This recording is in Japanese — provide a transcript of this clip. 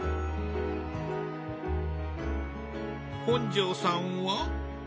本上さんは？